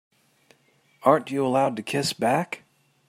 Aren't you allowed to kiss back?